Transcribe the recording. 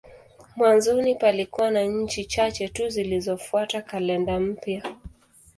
Mwanzoni palikuwa na nchi chache tu zilizofuata kalenda mpya.